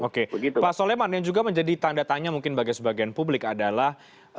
oke pak soleman yang juga menjadi tanda tanya mungkin bagi sebagian publik adalah